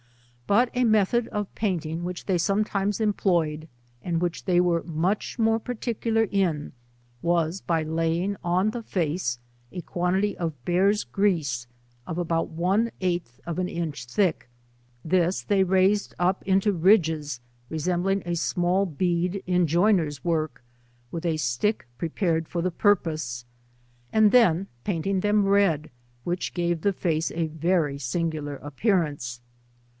But a method of painting which they sometimes employed, and which they were much more parti cular in, was by laying on the face a quantity of bear's grease of about one eighth of an inch thick ; this they raised up into ridges resemblino' a small bead in joiner's work, with a stick prepared for the purpose, and then painted them red, which gave the face a very singular appearance.